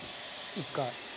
１回。